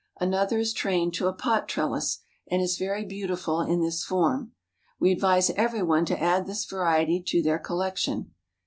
Another is trained to a pot trellis, and is very beautiful in this form. We advise every one to add this variety to their collection.